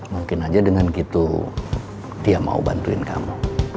mungkin aja dengan gitu dia mau bantuin kamu